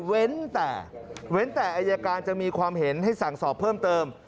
เว้นแต่เว้นแต่อายการจะมีความเห็นให้สั่งสอบเพิ่มเติม